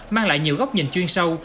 mang lại nhiều góc nhìn chuyên sâu